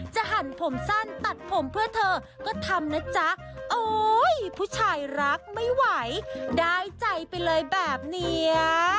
หันผมสั้นตัดผมเพื่อเธอก็ทำนะจ๊ะโอ๊ยผู้ชายรักไม่ไหวได้ใจไปเลยแบบเนี้ย